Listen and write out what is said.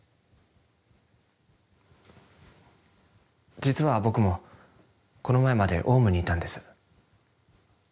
実は僕もこの前までオウムにいたんです。